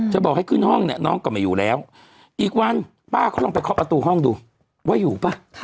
จะบอกให้ขึ้นห้องน้องกลับมาอยู่แล้วอีกวันป้าลองไปเข้าผ